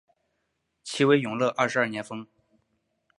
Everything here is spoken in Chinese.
其为永乐二十二年封。